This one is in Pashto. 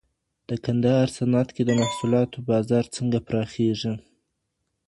د کندهار صنعت کي د محصولاتو بازار څنګه پراخېږي؟